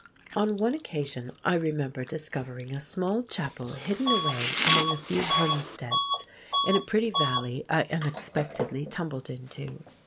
On one occasion I remember discovering a small chapel hidden away among a few homesteads in a pretty valley I unexpectedly tumbled into.